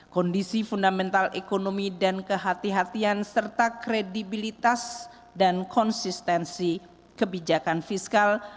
kondisi fundamental ekonomi dan kehatian serta kredibilitas dan konsistensi kebijakan fiskal